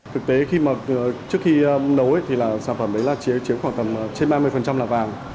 thực tế trước khi nấu thì sản phẩm đấy là chiếm khoảng tầm trên ba mươi là vàng